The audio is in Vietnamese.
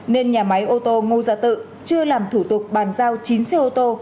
nên nhà máy ô tô ngô gia tự chưa làm thủ tục bàn giao chín xe ô tô